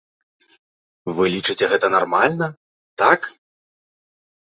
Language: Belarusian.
Вы лічыце гэта нармальна, так?